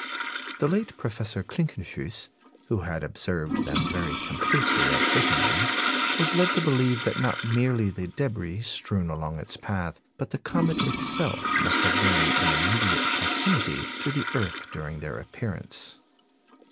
The late Professor Klinkerfues, who had observed them very completely at Göttingen, was led to believe that not merely the débris strewn along its path, but the comet itself must have been in immediate proximity to the earth during their appearance.